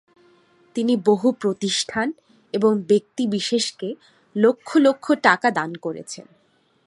তিনি বহু প্রতিষ্ঠান এবং ব্যক্তিবিশেষকে লক্ষ লক্ষ টাকা দান করেছেন।